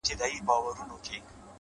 پرمختګ د عادتونو بدلون غواړي